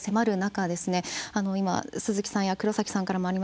今鈴木さんや黒さんからもありました